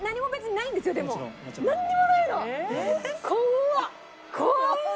なんにもないの！